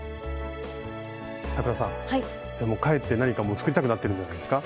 咲楽さん帰って何かもう作りたくなってるんじゃないんですか？